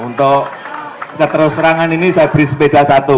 untuk keteruserangan ini saya beri sepeda satu